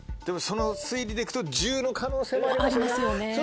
でもその推理で行くと１０の可能性もありますね。